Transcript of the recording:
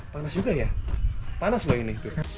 panas juga ya panas loh ini